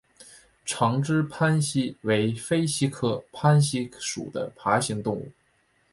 长肢攀蜥为飞蜥科攀蜥属的爬行动物。